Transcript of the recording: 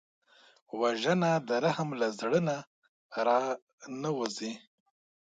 وژنه د رحم له زړه نه را نهوزي